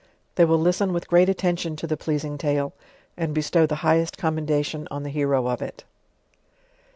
they will listen with great attention to the pleasing tale, and bestow the highest commendation on the hero of it.